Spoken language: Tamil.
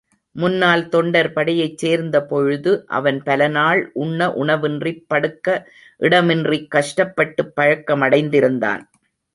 முன்னால் தொண்டர் படையைச் சேர்ந்தபொழுது அவன் பலநாள் உண்ண உணவின்றிப் படுக்க இடமின்றிக் கஷ்டப்பட்டுப் பழக்கமடைந்திருந்தான்.